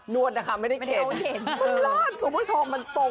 นวดนะคะไม่ได้เข็น